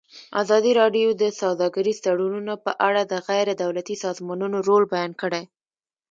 ازادي راډیو د سوداګریز تړونونه په اړه د غیر دولتي سازمانونو رول بیان کړی.